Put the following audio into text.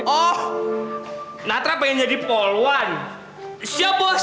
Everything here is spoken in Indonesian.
oh natra pengen jadi polwan siap bos